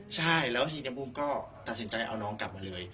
ใช่แล้วทีนี้บูมก็ตัดสินใจเอาน้องกลับมาเลย